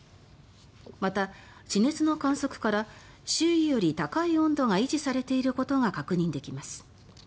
また、地熱の観測から周囲より高い温度が維持されていることが確認できます。